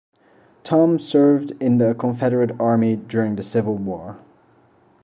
Thom served in the Confederate Army during the Civil War.